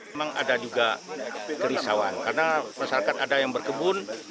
memang ada juga kerisauan karena masyarakat ada yang berkebun